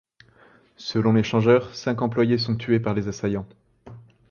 Selon les changeurs, cinq employés sont tués par les assaillants.